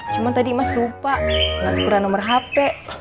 cuma tadi mas lupa nggak tukeran nomor hp